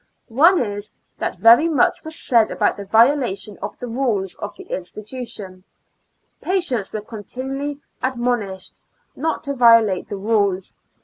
One is, that very much was said about the violation of the rules of the institution ; patients were continually admonished not to violate the rules.